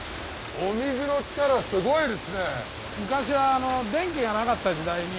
お水の力すごいですね！